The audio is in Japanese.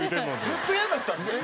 ずっとイヤだったんですね。